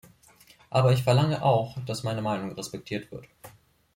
Aber ich verlange auch, dass meine Meinung respektiert wird.